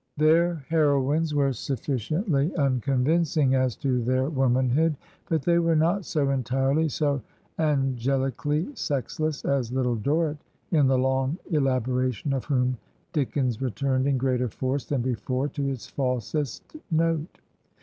Their heroines were sufficiently unconvincing as to their womanhood, but they were not so entirely, so angeli cally sexless as Little Dorrit, in the long elaboration of whom Dickens returned in greater force than before to his falsest note.